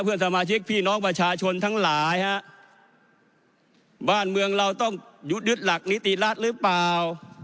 เพื่อนสมาชิกพี่น้องประชาชนทั้งหลายฮะบ้านเมืองเราต้องยึดยึดหลักนิติรัฐหรือเปล่า